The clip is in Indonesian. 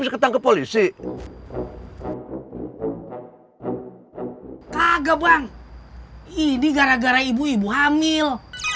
ketangkep polisi hai kaga bang ini gara gara ibu ibu hamil